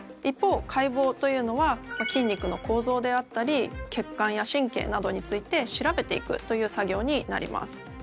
一方解剖というのは筋肉の構造であったり血管や神経などについて調べていくという作業になります。